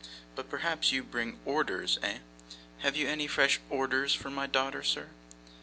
But perhaps you bring ORDERS, eh? Have you any fresh ORDERS for my daughter, sir?